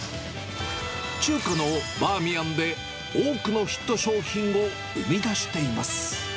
中華のバーミヤンで、多くのヒット商品を生み出しています。